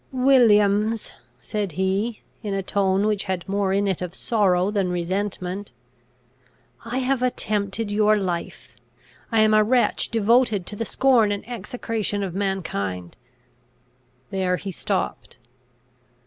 "Williams!" said he, in a tone which had more in it of sorrow than resentment, "I have attempted your life! I am a wretch devoted to the scorn and execration of mankind!" There he stopped.